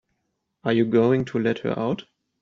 Are you going to let her out?